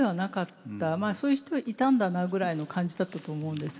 まあそういう人はいたんだなぐらいの感じだったと思うんです。